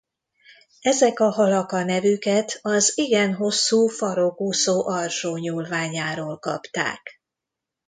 Ezek a halak a nevüket az igen hosszú farokúszó alsó nyúlványáról kapták.